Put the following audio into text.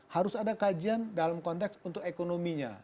harus ada kajian dalam konteks untuk ekonominya